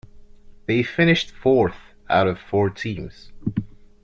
They finished fourth out of four teams.